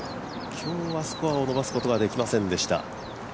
今日はスコアを伸ばすことができませんでした。